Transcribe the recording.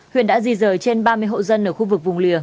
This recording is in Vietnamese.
huyện đã di rời trên ba mươi hộ dân ở khu vực vùng lìa